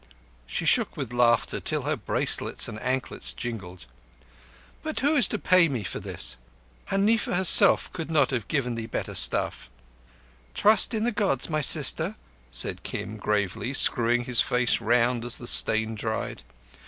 She shook with laughter till her bracelets and anklets jingled. "But who is to pay me for this? Huneefa herself could not have given thee better stuff." "Trust in the Gods, my sister," said Kim gravely, screwing his face round as the stain dried.